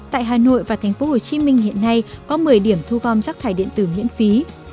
tại hà nội và tp hcm hiện nay có một mươi điểm thu gom rác thải điện tử miễn phí